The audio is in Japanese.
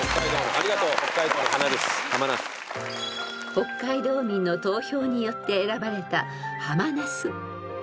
［北海道民の投票によって選ばれたハマナス］